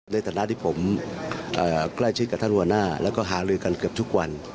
ในฐานะที่ผมใกล้ชิดกับท่านหัวหน้าแล้วก็หาลือกันเกือบทุกวัน